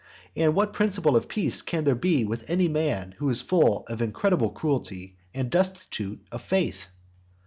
And what principles of peace can there be with that man who is full of incredible cruelty, and destitute of faith?